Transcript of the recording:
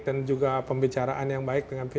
dan juga pembicaraan yang baik dengan pilihan